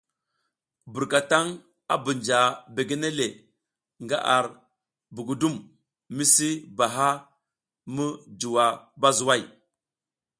Burkataŋ a bunja begene le nga ar budugum misi baha mi juwa bazuway.